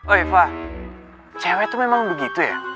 oi riva cewek tuh memang begitu ya